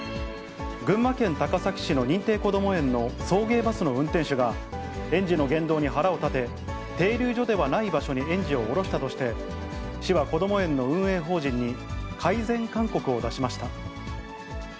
群馬県高崎市の認定こども園の送迎バスの運転手が、園児の言動に腹を立て、停留所ではない場所に園児を降ろしたとして、市はこども園の運営法人に改善勧告を出しました。